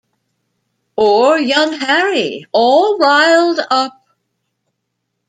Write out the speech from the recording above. Or young Harry, all riled up.